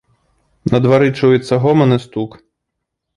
На двары чуецца гоман і стук.